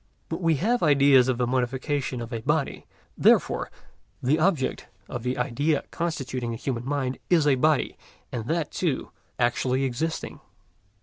But we have ideas of the modifications of a body; therefore the object of the idea constituting the human mind is a body, and that, too, actually existing.